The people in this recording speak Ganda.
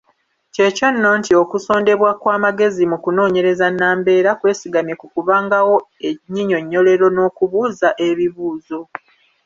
Kyekyo nno nti okusondebwa kw’amagezi mu kunoonyereza nambeera, kwesigamye ku kubangawo ennyinnyonnyolero n'okubuuza ebibuuzo.